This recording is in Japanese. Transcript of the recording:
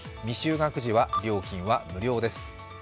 未就学児は料金は無料です。